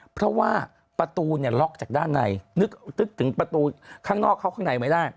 เพราะว่าประตูเนี่ยล็อกจากด้านในนึกถึงประตูข้างนอกเข้าข้างในไม่ได้